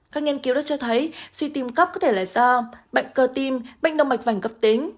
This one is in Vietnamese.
các nghiên cứu đã cho thấy suy tim cấp có thể là do bệnh cơ tim bệnh đông mạch vành cấp tính